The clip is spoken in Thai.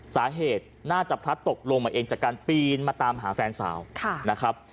สาเหตุน่าจะพลัดตกลงมาเองจากการปีนมาตามหาแฟนสาวนะครับ